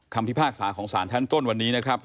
พิพากษาของสารชั้นต้นวันนี้นะครับ